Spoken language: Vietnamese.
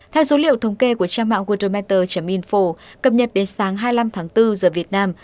theo dữ liệu thống kê của trang mạng worldometer info cập nhật đến sáng hai mươi năm tháng bốn giờ việt nam